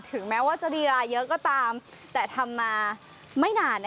แม้ว่าจะรีราเยอะก็ตามแต่ทำมาไม่นาน